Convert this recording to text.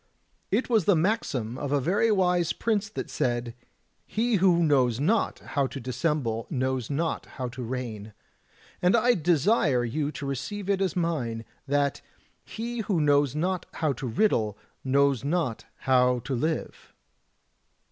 It was the maxim of a very wise prince that *he who knows not how to dissemble knows not how to reign ;' and I desire you to receive it as mine, that *he who knows not how to riddle knows not how to live.